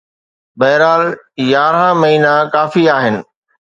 بهرحال، يارهن مهينا ڪافي آهن.